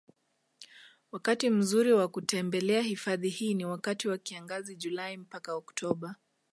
Wakati mzuri wa kutembelea hifadhi hii ni wakati wa kiangazi Julai mpaka Octoba